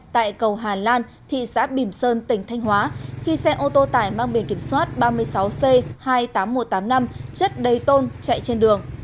tại cầu hà lan thị xã bìm sơn tỉnh thanh hóa khi xe ô tô tải mang biển kiểm soát ba mươi sáu c hai mươi tám nghìn một trăm tám mươi năm chất đầy tôn chạy trên đường